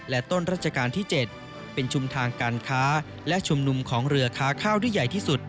และต้นราชการที่๗เป็นชุมทางการค้าและชุมนุมของเรือค้าข้าวที่ใหญ่ที่สุด